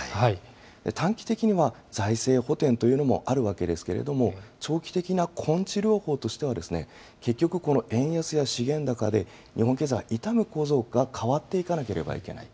短期的には、財政補填というのもあるわけですけれども、長期的な根治療法としては、結局この円安や資源高で、日本経済、痛む構造が変わっていかなければいけない。